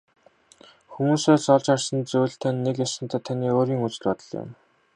Хүмүүсээс олж харсан зүйл тань нэг ёсондоо таны өөрийн үзэл бодол юм.